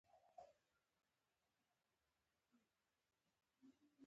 د کسبګرو محصولات په سوداګریزو توکو بدل شول.